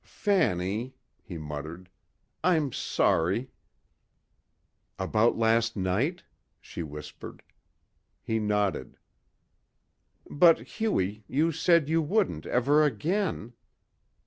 "Fanny," he muttered, "I'm sorry...." "About last night," she whispered. He nodded. "But Hughie, you said you wouldn't ever again...."